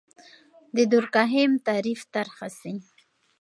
د دورکهايم تعریف طرحه سي.